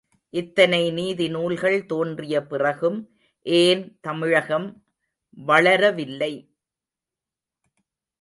இத்தனை நீதிநூல்கள் தோன்றிய பிறகும் ஏன் தமிழகம் வளர வில்லை?